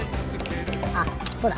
あそうだ！